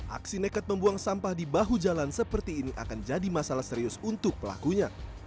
aksi nekat membuang sampah di bahu jalan seperti ini akan jadi masalah serius untuk pelakunya